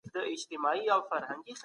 هیڅ بهانه شتون نلري.